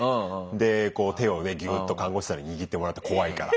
でこう手をねギュッと看護師さんに握ってもらって怖いから。